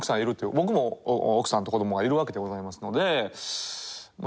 僕も奥さんと子どもがいるわけでございますので。